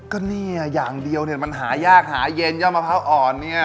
ก็เนี่ยอย่างเดียวเนี่ยมันหายากหาเย็นย่อมะพร้าวอ่อนเนี่ย